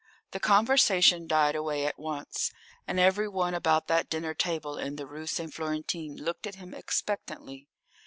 The conversation died away at once, and every one about that dinner table in the Rue St. Florentin looked at him expectantly.